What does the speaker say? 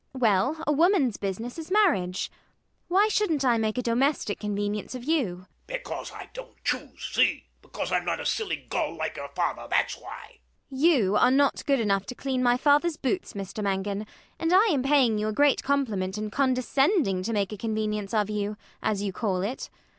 Well, a woman's business is marriage. Why shouldn't I make a domestic convenience of you? MANGAN. Because I don't choose, see? Because I'm not a silly gull like your father. That's why. ELLIE [with serene contempt]. You are not good enough to clean my father's boots, Mr Mangan; and I am paying you a great compliment in condescending to make a convenience of you, as you call it.